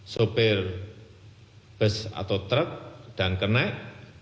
sopir bus atau truk dan kenaik